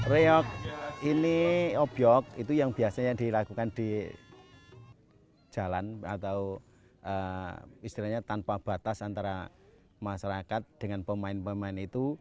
reok ini obyok itu yang biasanya dilakukan di jalan atau istilahnya tanpa batas antara masyarakat dengan pemain pemain itu